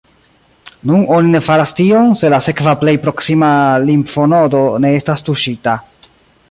Nun oni ne faras tion, se la sekva plej proksima limfonodo ne estas tuŝita.